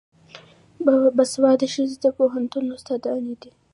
باسواده ښځې د پوهنتون استادانې دي.